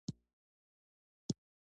ګاز د افغانستان د صادراتو برخه ده.